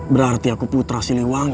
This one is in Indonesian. berarti aku putra siliwangi